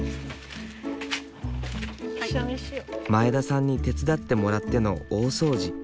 前田さんに手伝ってもらっての大掃除。